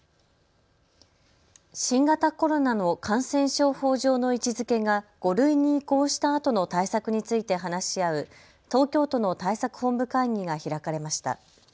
新型コロナの感染症法上の位置づけが５類に移行したあとの対策について話し合う東京都の対策本部会議が開かれました。